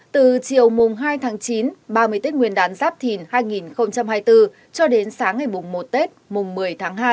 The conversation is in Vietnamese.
từ chiều hai chín ba mươi tết nguyên đán giáp thìn hai nghìn hai mươi bốn cho đến sáng ngày một một tết một mươi hai